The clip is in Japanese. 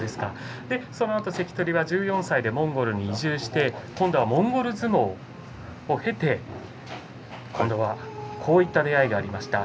そのあと関取は１４歳でモンゴルに移住して今度はモンゴル相撲を経てこんな出会いがありました。